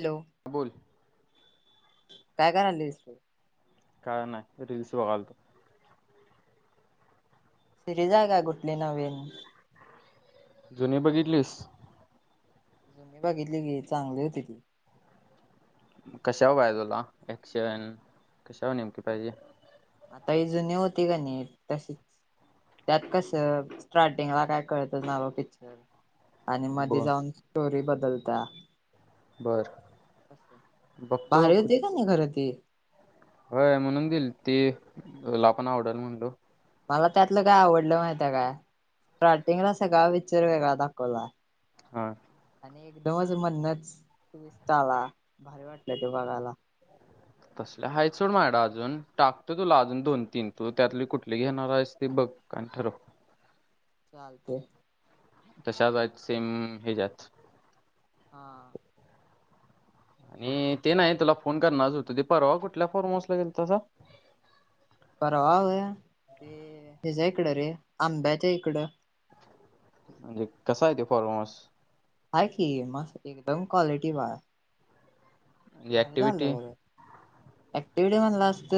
Hello बोल काय कात काय नाही रीलस बघालतो शिरी जाय का कुठली नवीन जुनी बघितलीस जुी बघितली गे चांगली होती ती कशावर बाहि तुला एकशे कशावर नेमकी पाहिजे आता ह जुने होते का नाही तसेच त्यात कसं स्टार्टिंगला काय कळतणार पिक्चर आणि मध्ये ब जाऊन स्टोरी बदलता बर बघतो बाहेर कु- यते का नाही घरात होय म्हणून दिईल तेीला पण आवडेल म्हणलो मला त्यातलं काय आवडलं माहिित काय स्टार्टिंगला सग विच्चर वेगळा दाखवला हा आणि एकदमच म्हणनच विस्तार आला भारी वाटलं ते बघायला तसले हाय सोड मायडा अजून टाकत तुला अजून दोन तीन तू त्यातली कुठली घेणार आहेस ते बघ काठ र चालते तशाच सेम हेच्यात हा आणि ते नाही तुला फोन करणारच होत ते परवा कुठल्या फॉर्मस लागेल तसा परवाव आहे ते हच्या इकडं रे आंब्याच्या इकडं म्हणजे कसा येत फॉर्मस आहे की मस् एकदम क्वालिटी बा म्हणजे बाहे ऍक्टिव्हिटी ललंर एवडे म्हणलं असत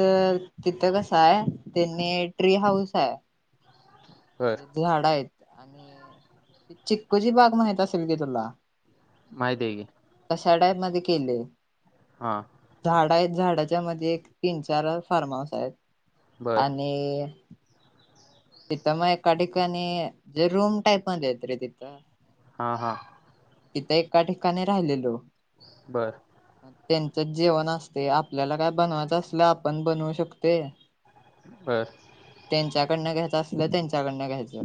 तिथं कसं आहे त्यांनी ट्री हाऊस आहे बर हाडायत आणि त चिक्कूची बाग माहित असेल की तुला माहितीग आषाढामध्येध्ये केले हा झाड झाडाच्या मध्ये एक तीन चार फार्म हाऊस आहेत बर आणि तिथं मग एका ठिकाणी जे रूम टाईपमध्येध्ये येत रे तिथं हा हा तिथं एका ठिकाणी राहिलेलो बर त्यां जेवण असते आपल्याला काय बनवायचं असल आपण बनवू शकते बर त्यांच्याकडनं घ्यायचं असलं, त्यांच्याकडनं घ्यायचं.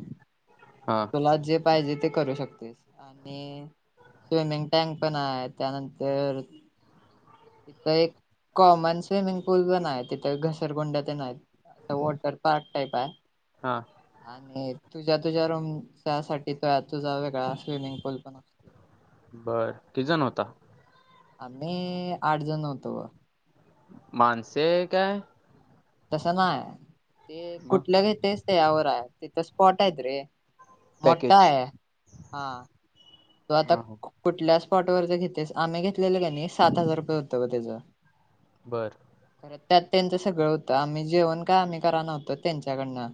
हा तुला जे पाहिजे ते करू शकतेस आणि स्विमिंग टँक पण हाय त्यानंतर तिथ एक कॉमन स्विमिंग पूल पण हाय. तिथ घसरगुंड्या तेन आहेत. असं वॉटर पार्क टाईप हाय हा आणि तुझ्या तुझ्या रूमच्या साठी त तुझा वेगळा स्विमिंग पूल पण असतो. बर कितीजण होता? आम्ही आठ जण होतो बगा. माणसे काय? तसं नाही ते मग कुठलं घेतस ते यावराय. तिथं स्पॉट हाईत रे. मोठा पॅकेज आहे. हा. तो आता हा हा कुठल्या स्पॉट वर ज घेतेस, आम्ही घेतलेलं कने सात हजार रुपये होतं ब त्यज बरं. त्यात त्यांचं सगळं होतं आम्ही जेवण काय आम्ही करा नव्हतो त्यांच्याकडन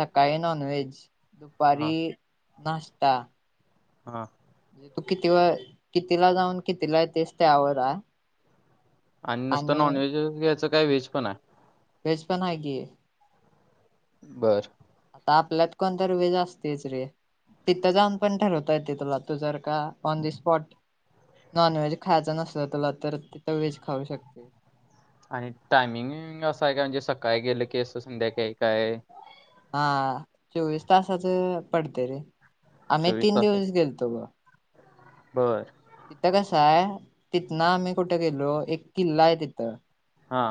सकाळी नॉनव्हेज, दुपारी हा नाश्ता. हा. तू किती व कितीला जाऊन कितीला य तेस त्यावर हाय. आणि नुसतं नॉन व्हेज घ्यायचं काय, व्हेज पण हाय? व्हेज पण हाय की. बर. तापल्यात कोणतरी व्हेज आसतयच रे. तिथं जाऊन पण ठरवता येतय तुला. तू जर का on the spot non veg खायचा नसलं तुला तर तिथं व्हेज खाऊ शकते. आणि टायमिंग असं हाय काय म्हणजे सकाळी गेलं की असं संध्याकाळी काय हा चोवीस तासाच पडतय रे. आम्ही चोवीस तीन तास दिवस गेलतो ब. बर. तिथं कसं हाय तिथनं आम्ही कुठं गेलो, एक किल्ला हाय तिथं हा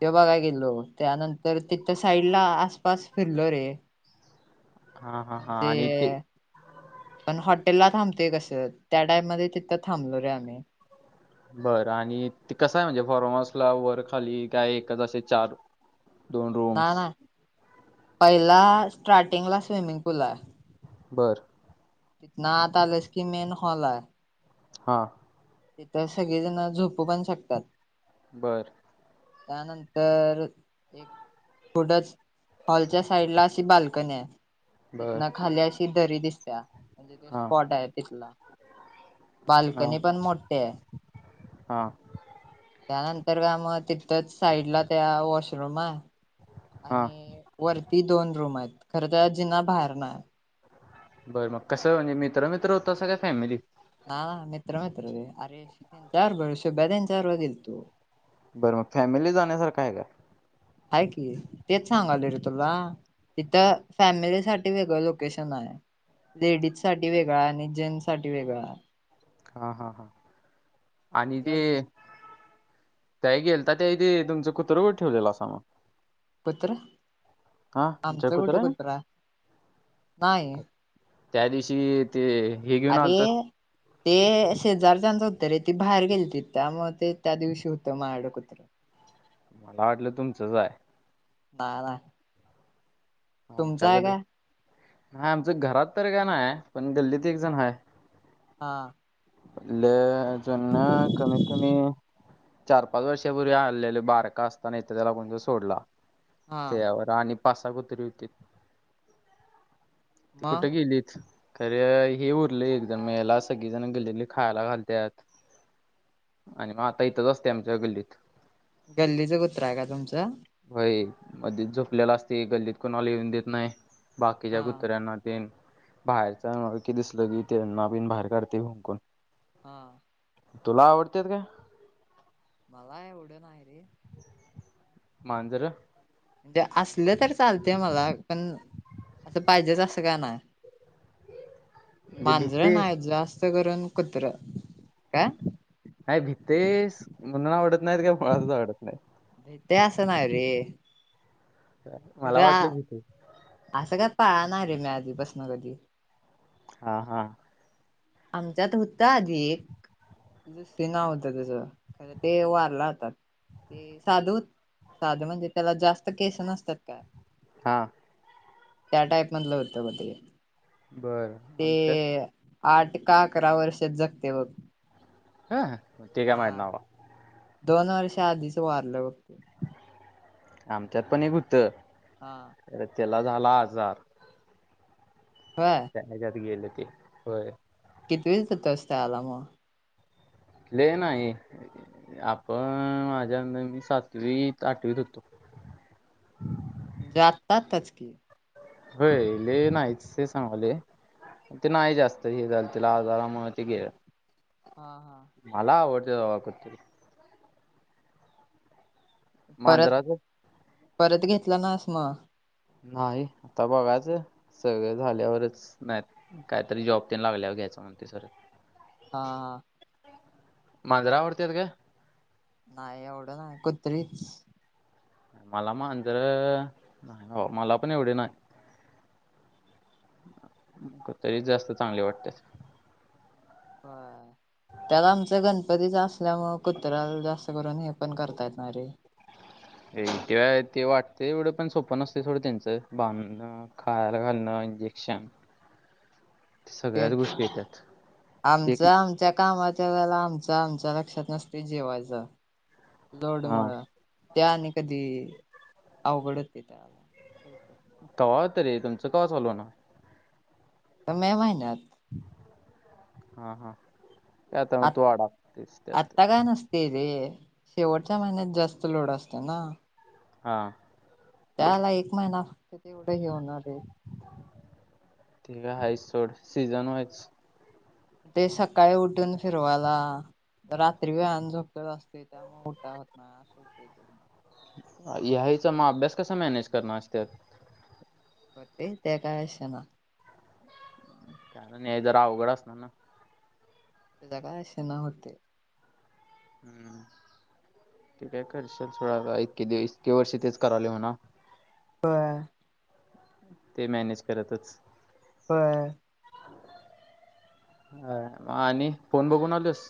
ते बघाय गेलो. त्यानंतर तिथ साईड ला आसपास फिरलो रे. हा-हा-हा म्हणजे आणि ते पण हॉटेल ला थांबतोय कसं त्या टाइप मध्ये तिथं थांबलो रे आम्ही. बरं आणि ते कसं हाय म्हणजे फॉर्महाऊसला वर, खाली, काय एकच असे चार दोन ना रूम्स ना पहिला स्टार्टिंग ला स्विमिंग पूल हाय. बरं. इतना आतआलास की मेन हॉल हाय. हा. तिथ सगळे जण झोपू पण शकतात. बरं. त्यानंतर एक पुढंच हॉलच्या साइड ला अशी बाल्कनी हाय. बर तिथन खाली अशी दरी दिसत्या म्हणजे ते हां स्पॉट हाय तिथला. हां बाल्कनी पण मोठी हाय. हां. त्यानंतर का मग तिथंच साईडला त्या वॉशरूम हाय. हां आणि वरती दोन रूम आहेत. खरं तेला जिना बाहेरनं हाय. बर मग कसं म्हणजे मित्र-मित्र हुतासा काय फॅमिली? हा मित्र-मित्र रे अरे चार भरस. शुभ्या तेंच्या बरोबर गेलतो. बरं मग फॅमिली जाण्यासारखं हाय काय? आहे की तेच सांगालोय रे तुला. तिथं फॅमिली साठी वेगळं लोकेशन हाय. लेडीज साठी वेगळा आणि जें्स साठी वेगळा हा हा हा आणि जर ते त्याही गेल तर त्या ते तुमचं कुत्र गर ठेवलेला असा मग कुत्र हा आमच्या आमचं कुठं कुत्र्यानं? कुत्र नाही त्या दिवशी ते हे घेऊन अरे आलत ते शेजारच्याचं होतं रे ती बाहेर गेली त त्या मग ते त्या दिवशी होतं मडकत्र ह मला वाटलं तुमचंचय द तुमचं आहे आमच्याकडं का नाही आमचं घरात तर का नाही आहे पण गल्लीत एक जण आहे हा लजना कमीत कमी चार पाच वर्षापूर्वी हललेले बारका असताना इथ त्याला म्हण सोडला हा त्यावर आणि पासा कोुतरी होती तेी मग कुठं गेलीत खरे हे उरलं एक जण मिळायला सगळी जण गेलेली खायला घालतत आणि मग आता इथंच असते आमच्या गल्लीत गल्लीच कुत्रा आहे का तुमचं म झोपलेला असते गल्लीत कोणाला येिऊन देत नाही बाकीच्या हा कुतऱ्यांना ते बाहेरचा कि दिसलं की त्यांना बिन बाहेर काढते हुंकण हा तुला आवडते का मला एवढं नाही आहे रे मांजर म्हणजे असले तर चालतेय मला पण असं पाहिजेच असं का नाही म्हणजे मांजर न भितेस नाही भित्तेस मणून आवडत नाहीत का मुळातच आवडत नाही य ते असस ना य रे मला रे वाटलं भितेस असं काय पाहणार रे मी आधी बसन कधी हा हा आमचा तर होता आधी एक दुसर नाव होतं त्याच खर ते वारला होता ते साधू साधू म्हणजे त्याला जास्त केस नसतात का हा त्या टाईप मधलं होतं बते बर आणि त्यात आठ का अकरा वर्षात जगते बघ ह मी टे काय हा माहित नाही बाबा दोन वर्ष आधीच वारलं आमच्यात पण एक हा होतं त्याला झाला आजार होय त्याच्यात गेले ते होय किती वी त होतास शाळेला ल मग लै नाही आपण माझ्यांदर मी सातवी आठवीत होतो आत्ता अतातच की होयले नाहीच सांगले ते नाही जास्त हे झालं तिला आजारामुळे ते गे हा हा ते वाकत परत मांजराच परत घेतला नाहीस मग नाही आता बघाच सगळे झाल्यावरच नाही काहीतरी जॉब त्यां लागल्यावर म्हणते सर हा हा. मांजरा आवडतीेत का नाही एवढं नाही कुत्री मला माांजर मला पण एवढे नाही तरीच जास्त चांगले वाटते हा त्याला आमचा गणपतीच असल्यामु कुत्रा जास्त करून हे पण करता येतणार रे हे ते ते वाटते एवढं पण सोपं न असते थोडं त्यांच बांधणं खायला घालणं इंजेक्शन सगळ्याच तेच गोष्टी येतात आमच एक आमच्या कामा ला आमच्या आमच्या लक्षात नसते जेवायचं लोड हा मु त्या आणि कधी अवघडत ते त्याला कव त रे तुमचं का चालू ना मे माहिनत हा हा ते आता मग अत् तू अडकतेस अ त्यात तग अनस्ते शेवटच्या महिन्यात जास्त लोड असते ना हा त्याला एक महिना ते तेवढंही होणार आहे तेठी का आहे सोड सीझन वयज ते सकाळी उठून फिरवाला रात्री वेळानं झोपत असते त्यामुळेग मोठा होत ना अस हो या्याचा मग अभ्यास कसा मॅनेज करणार अहेस बे तेकावेश ना कारण नाही जरा अवघड असणार ना त्याचा काय असे न होते हम्म ते काय करश सोड इतके इतके वर्षी तेच कराले होणा ह ते मॅनेज करतच ह अ आणि फोन बघून आलोस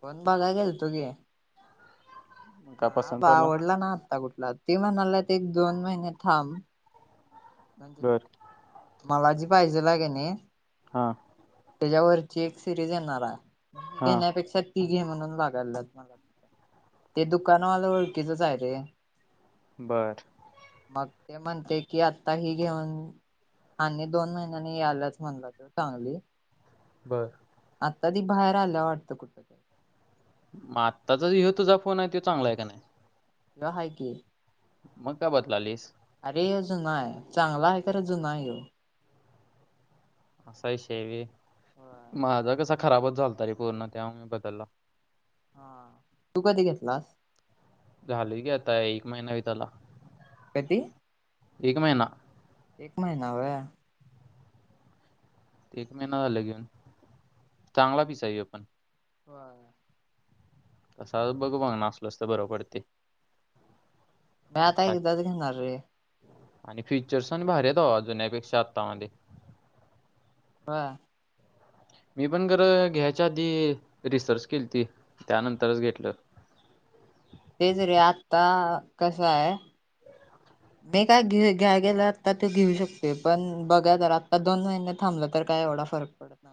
कोण बघाय गेल तुघे का ह पसंत बा पडला आवडला ना आत्ता कुठला ते म्हणाला ते एक दोन महिने थांब बज बर मला जी पाहिजे लागे नाही हा एक सजणार हां घेेक्षा घ गाय म ते दुकानवालं ओळखीचच आहे रे बरं मग ते म्हणते की आत्ता हि घेऊन आणि दोन महिन्यांनी यालाच म्हणलं तर चांगली बरं आता ती बाहेर आलं वाटतं कुठ का मग आत्ताचा ह तुझा फोन आहे तो चांगला आहे का नाही रहाय कि मग काय बातला आलीस अरे जुना आहे चांगला आहे का र जुना ये असा शेवी होय माझा कस खराबच झाचाल त रे कोरोना त्यामुळे बदलला हा तू कधी घेतलास झाले की आता एक महिना भ त्याला कती एक महिना एक महिना ह एक महिना झाला घेऊन चांगला पिसाई आपण हा तसं बघ बघ ना असल असत बरो पडते म आता आत्ता एकदाच घेणार रे आणि फीचर्स आणि भारीेत जुन्यापेक्षा आतामध्ये हा मी पण खरं घ्यायच्या आधी रिसर्च केली ती त्यानंतरच घेतलं तेच रे आता कस आहे मी काय घेऊ घ्याय गेलं आता तो घेऊ शकते पण बघा तर आत्ता दोन महिने थांबलं तर काय आवडत फरक पडणार